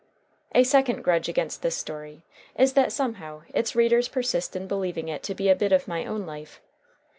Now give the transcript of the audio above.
A second grudge against this story is that somehow its readers persist in believing it to be a bit of my own life.